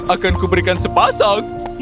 akan kuberikan diri